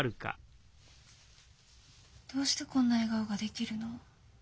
どうしてこんな笑顔ができるの？